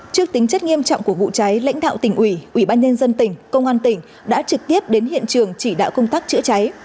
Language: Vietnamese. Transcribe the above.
trước tính chất nghiêm trọng của vụ cháy lãnh đạo tỉnh ủy ủy ban nhân dân tỉnh công an tỉnh đã trực tiếp đến hiện trường chỉ đạo công tác chữa cháy